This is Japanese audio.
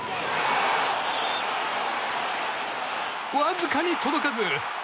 わずかに届かず。